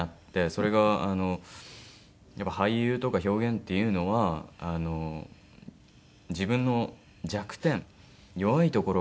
それがやっぱ俳優とか表現っていうのは自分の弱点弱いところが強みになるんだと。